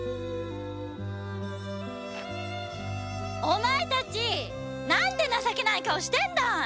お前たちなんて情けない顔してるんだい！